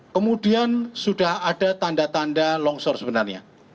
kemudian sudah ada tanda tanda longsor sebenarnya